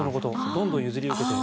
どんどん譲り受けて。